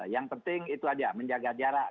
yang penting itu aja menjaga jarak